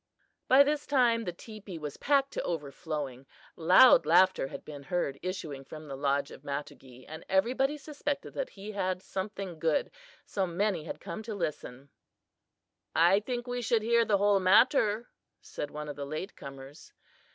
By this time the teepee was packed to overflowing. Loud laughter had been heard issuing from the lodge of Matogee, and everybody suspected that he had something good, so many had come to listen. "I think we should hear the whole matter," said one of the late comers.